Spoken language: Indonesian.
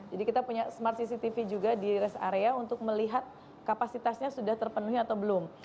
jadi kita punya smart cctv juga di rest area untuk melihat kapasitasnya sudah terpenuhi atau belum